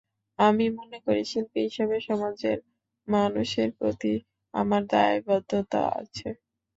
আমি মনে করি, শিল্পী হিসেবে সমাজের মানুষের প্রতি আমার দায়বদ্ধতা আছে।